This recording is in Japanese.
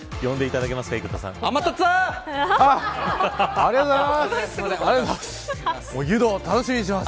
ありがとうございます。